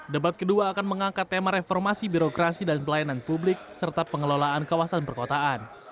debat kedua akan mengangkat tema reformasi birokrasi dan pelayanan publik serta pengelolaan kawasan perkotaan